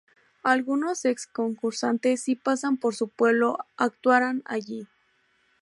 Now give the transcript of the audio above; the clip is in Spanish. Algunos ex concursantes si pasan por su pueblo actuaran allí.